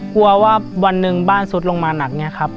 กลัวว่าวันหนึ่งบ้านซุดลงมาหนักเนี่ยครับ